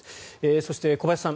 そして、小林さん